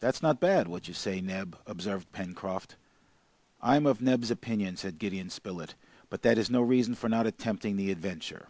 "That's not bad, what you say, Neb," observed Pencroft. "I am of Neb's opinion," said Gideon Spilett, "but that is no reason for not attempting the adventure.